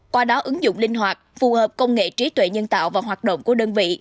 qua đó ứng dụng linh hoạt phù hợp công nghệ trí tuệ nhân tạo và hoạt động của đơn vị